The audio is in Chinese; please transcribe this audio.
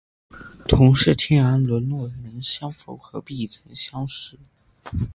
同是天涯沦落人，相逢何必曾相识